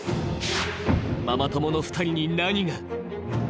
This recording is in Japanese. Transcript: ママ友の２人に何が。